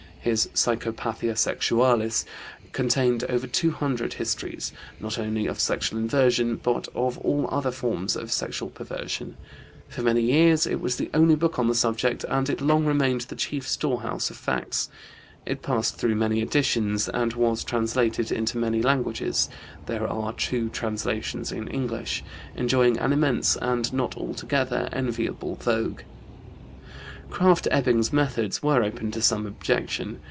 His Psychopathia Sexualis contained over two hundred histories, not only of sexual inversion but of all other forms of sexual perversion. For many years it was the only book on the subject and it long remained the chief storehouse of facts. It passed through many editions and was translated into many languages (there are two translations in English), enjoying an immense and not altogether enviable vogue. Krafft Ebing's methods were open to some objection.